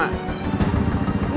gak usah ki